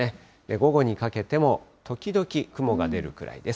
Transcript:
午後にかけても時々雲が出るくらいです。